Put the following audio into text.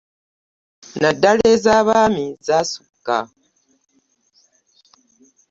Naddala eza baami zasukka.